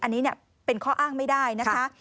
อันนี้เป็นข้ออ้างไม่ได้นะคะ